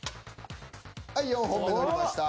はい４本目乗りました。